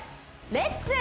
レッツ！